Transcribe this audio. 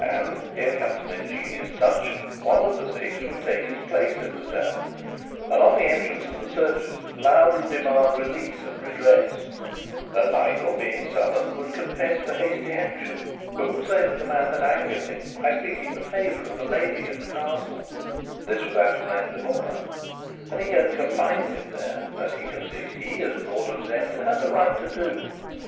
And here comes an ingenious touch one of the Six would take his place in the cell, and, on the entrance of the searchers, loudly demand release and redress; and Michael, being summoned, would confess to hasty action, but he would say the man had angered him by seeking the favour of a lady in the Castle (this was Antoinette de Mauban) and he had confined him there, as he conceived he, as Lord of Zenda, had right to do.